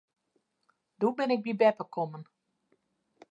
Doe bin ik by beppe kommen.